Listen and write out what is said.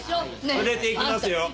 連れていきますよ。